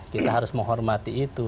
kita harus menghormati itu